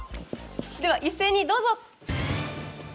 では、一斉にどうぞ！